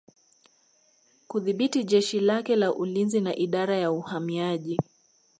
Kudhibiti jeshi lake la ulinzi na Idara ya Uhamiaji